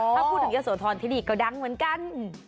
ถ้าพูดถึงเยอะโสธรที่นี่ก็ดังเหมือนกัน